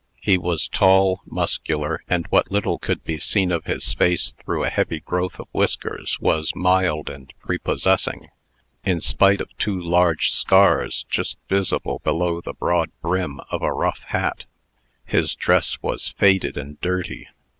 He was tall, muscular, and what little could be seen of his face through a heavy growth of whiskers was mild and prepossessing, in spite of two large scars just visible below the broad brim of a rough hat. His dress was faded and dirty.